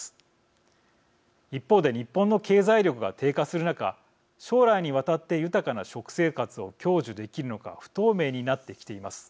一方で日本の経済力が低下する中将来にわたって豊かな食生活を享受できるのか不透明になってきています。